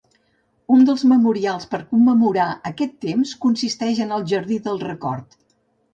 Un dels memorials per commemorar aquests temps consisteix en el jardí del record.